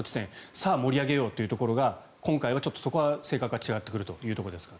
さあ、盛り上げようというところがちょっと今回は性格が違ってくるということですが。